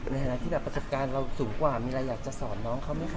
ในฐานะที่แบบประสบการณ์เราสูงกว่ามีอะไรอยากจะสอนน้องเขาไหมคะ